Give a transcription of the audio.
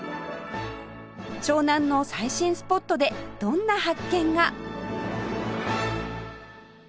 湘南の最新スポットでどんな発見が？